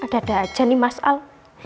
ada ada aja nih mas al